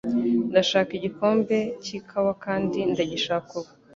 Ndashaka igikombe cy'ikawa kandi ndagishaka ubu.